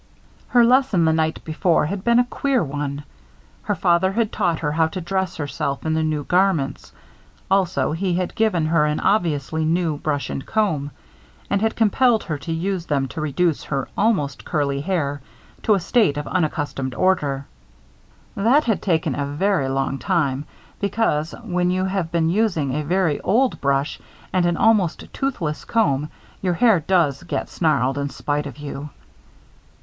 Her lesson the night before had been a queer one. Her father had taught her how to dress herself in the new garments. Also, he had given her an obviously new brush and comb, and had compelled her to use them to reduce her almost curly hair to a state of unaccustomed order. That had taken a very long time, because, when you have been using a very old brush and an almost toothless comb your hair does get snarled in spite of you.